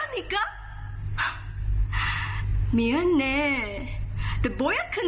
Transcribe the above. ขอโทษนะแต่มันไม่เหมือนกัน